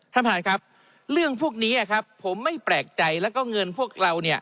ท่านประธานครับเรื่องพวกนี้ครับผมไม่แปลกใจแล้วก็เงินพวกเราเนี่ย